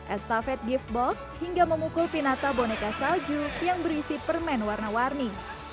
estafet gift box hingga memukul pinata boneka salju yang berisi permen warna warni